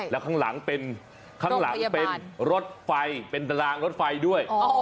แล้วข้างหลังเป็นรถไฟเป็นตารางรถไฟด้วย